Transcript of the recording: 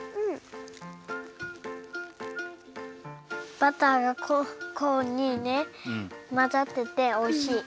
バターがコーンにねまざってておいしい。